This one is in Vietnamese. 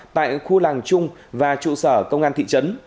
tại khu làng chung và trụ sở công an thị trấn